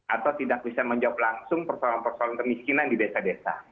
atau tidak bisa menjawab langsung persoalan persoalan kemiskinan di desa desa